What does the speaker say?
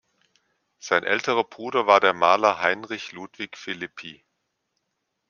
Sein älterer Bruder war der Maler Heinrich Ludwig Philippi.